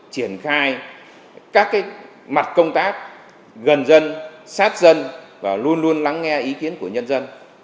triển khai các mặt công tác gần dân sát dân và luôn luôn lắng nghe ý kiến của nhân dân